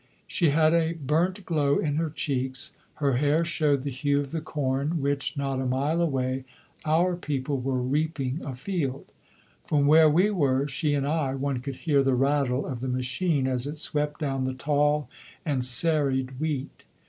She had a burnt glow in her cheeks; her hair showed the hue of the corn which, not a mile away, our people were reaping afield. From where we were, she and I, one could hear the rattle of the machine as it swept down the tall and serried wheat.